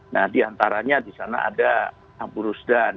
nah diantaranya disana ada ambu rusdan